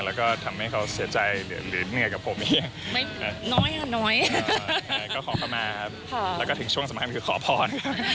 แล้วก็ทำให้เค้าเสียใจหรือกับฉัน